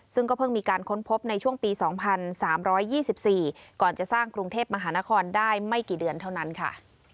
ซึ่งก็เพิ่งมีการค้นพบในช่วงปี๒๓๒๔ก่อนจะสร้างกรุงเทพมหานครได้ไม่กี่เดือนเท่านั้นค่ะ